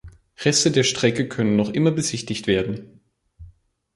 Reste der Strecke können noch immer besichtigt werden.